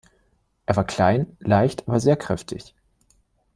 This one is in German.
Er war klein, leicht aber sehr kräftig.